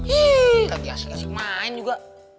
ih tadi asik asik main juga